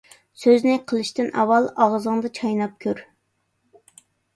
سۆزنى قىلىشتىن ئاۋۋال، ئاغزىڭدا چايناپ كۆر.